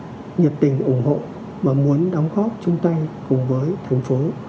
các đơn vị nhiệt tình ủng hộ và muốn đóng góp chung tay cùng với thành phố